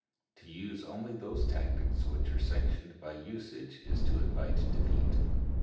To use only those tactics which are sanctioned by usage is to invite defeat.